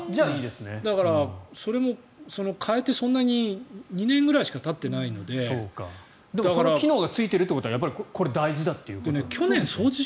それも替えてそんなに２年ぐらいしかたっていないのでその機能がついているということはやっぱりこれが大事だという。